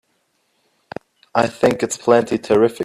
I think it's plenty terrific!